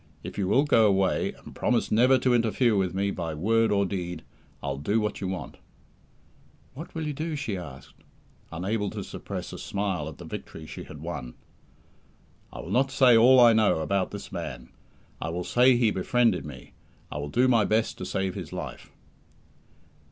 "If you will go away, and promise never to interfere with me by word or deed, I'll do what you want." "What will you do?" she asked, unable to suppress a smile at the victory she had won. "I will not say all I know about this man. I will say he befriended me. I will do my best to save his life."